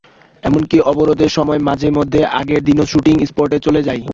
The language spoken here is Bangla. এমনকি অবরোধের সময় মাঝে মধ্যে আগের দিনও শুটিং স্পটে চলে যাই।